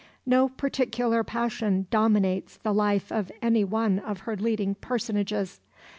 No particular passion dominates the life of any one of her leading personages.